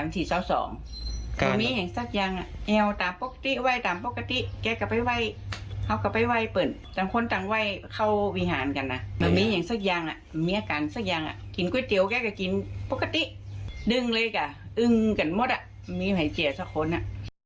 ปกติดึงเลยอีกอ่ะอึงกันหมดอ่ะมีไหว้เจียวเฉพาะคนอ่ะ